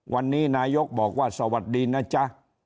วันนี้นายกบอกว่าสวัสดีนะจ๊ะ